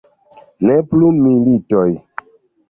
Ne plu militoj!